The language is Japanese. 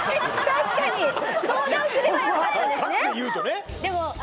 確かに相談すればよかったですねホンマ